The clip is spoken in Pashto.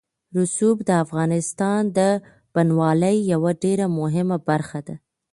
رسوب د افغانستان د بڼوالۍ یوه ډېره مهمه برخه ده.